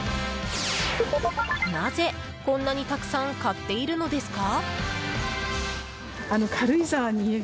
なぜ、こんなにたくさん買っているのですか？